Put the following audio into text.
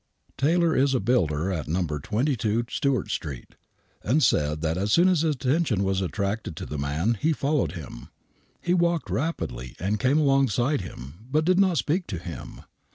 Taylor is a builder, at No. 22 Stewart Street, and said that as soon as his attention was attracted to the man he followed him. He walked rapidly and came alongside of him, but did not speak to him.